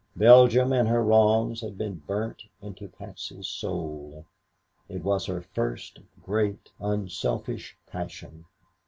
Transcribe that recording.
Belgium and her wrongs had been burnt into Patsy's soul. It was her first great unselfish passion.